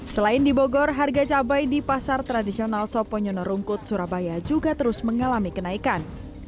selain di bogor harga cabai di pasar tradisional soponyono rungkut surabaya juga terus mengalami kenaikan